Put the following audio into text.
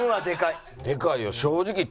でかいよ正直。